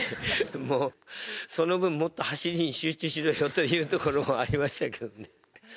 もう、その分、もっと走りに集中しろよというところもありましたけれどもね。